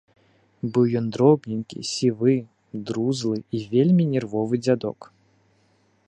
Быў ён дробненькі, сівы, друзлы і вельмі нервовы дзядок.